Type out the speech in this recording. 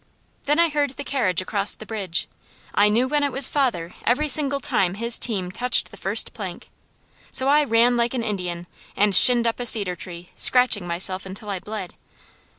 Then I heard the carriage cross the bridge. I knew when it was father, every single time his team touched the first plank. So I ran like an Indian, and shinned up a cedar tree, scratching myself until I bled.